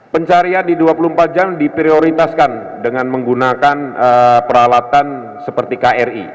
pencarian di dua puluh empat jam diprioritaskan dengan menggunakan peralatan seperti kri